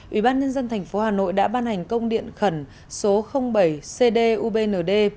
ủy ban nhân dân thành phố hà nội đã ban hành công điện khẩn số bảy cdubnd